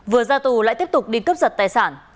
vừa ra tù lại tiếp tục đi cướp giật tài sản